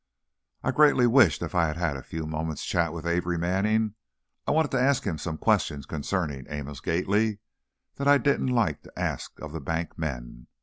I greatly wished I had had a few moments' chat with Amory Manning. I wanted to ask him some questions concerning Amos Gately that I didn't like to ask of the bank men.